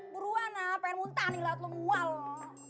buruan lah pengen muntah nih lo